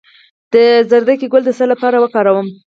د ګازرې ګل د څه لپاره وکاروم؟